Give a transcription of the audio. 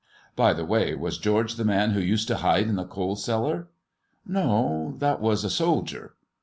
By the way, was George the man who to hide in the coal cellar 1 " "No, that was a soldier."